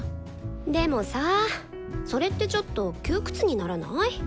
でもさあそれってちょっと窮屈にならない？